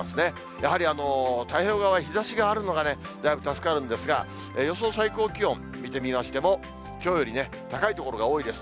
やはり太平洋側、日ざしがあるのがね、だいぶ助かるんですが、予想最高気温見てみましても、きょうより高い所が多いです。